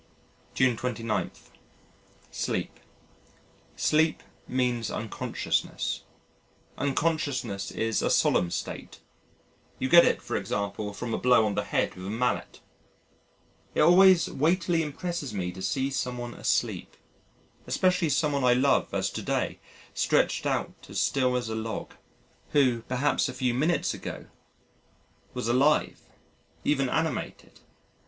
June 29. Sleep Sleep means unconsciousness: unconsciousness is a solemn state you get it for example from a blow on the head with a mallet. It always weightily impresses me to see someone asleep especially someone I love as to day, stretched out as still as a log who perhaps a few minutes ago was alive, even animated.